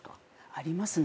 ありますね。